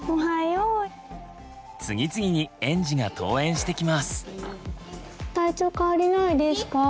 次々に園児が登園してきます。